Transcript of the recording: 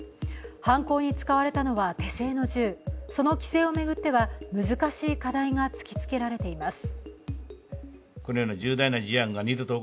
犯行に使われたのは手製の銃、その規制を巡っては難しい課題が突きつけられています。